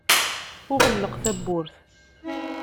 Ur ɣelleq tawwurt.